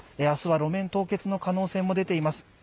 明日は路面凍結の可能性も出ています。